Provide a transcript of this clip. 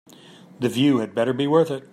The view had better be worth it.